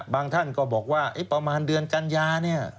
บางท่านก็บอกว่าประมาณเดือนกันยา